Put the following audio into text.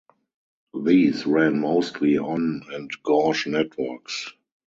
These ran mostly on and gauge networks.